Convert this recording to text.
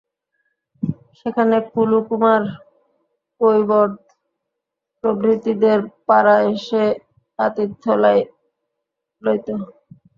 সেখানে কলু কুমার কৈবর্ত প্রভৃতিদের পাড়ায় সে আতিথ্য লইত।